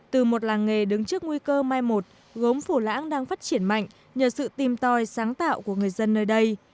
từ một làng nghề đứng trước nguy cơ mai một gốm phủ lãng đang phát triển mạnh nhờ sự tìm tòi sáng tạo của người dân nơi đây